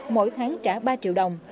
mỗi tháng trả ba triệu đồng